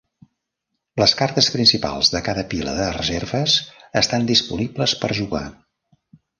Les cartes principals de cada pila de reserves estan disponibles per jugar.